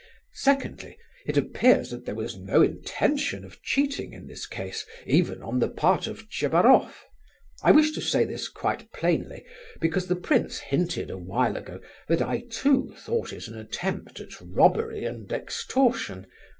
Secondly, it appears that there was no intention of cheating in this case, even on the part of Tchebaroff. I wish to say this quite plainly, because the prince hinted a while ago that I too thought it an attempt at robbery and extortion.